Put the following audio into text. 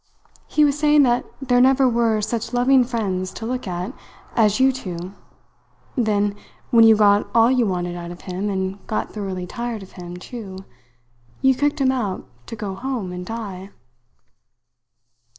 He was saying that there never were such loving friends to look at as you two; then, when you got all you wanted out of him and got thoroughly tired of him, too, you kicked him out to go home and die."